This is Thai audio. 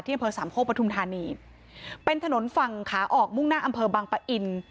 ที่อันเพิร์ชสามโคประธุมธานีเป็นถนนฝั่งขาออกมุ่งหน้าอันเพิร์ชบังปะอิ่น